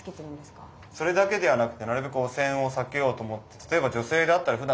それだけではなくてなるべく汚染を避けようと思って例えば女性であったらえっ。